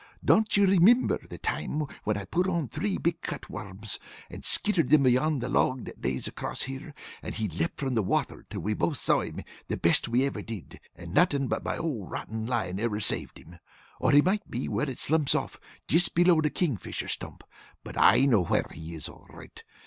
Don't you remimber the time whin I put on three big cut worms, and skittered thim beyond the log that lays across here, and he lept from the water till we both saw him the best we ever did, and nothin' but my old rotten line ever saved him? Or he might be where it slumps off just below the Kingfisher stump. But I know where he is all right.